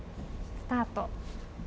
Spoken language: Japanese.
スタート。